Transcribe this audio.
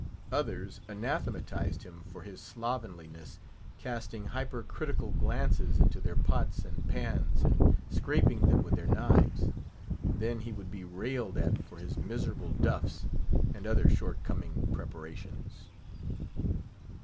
Others anthematised him for his slovenliness, casting hypercritical glances into their pots and pans, and scraping them with their knives. Then he would be railed at for his miserable "duffs," and other shortcoming preparations.